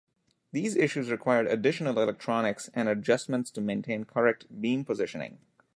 These issues required additional electronics and adjustments to maintain correct beam positioning.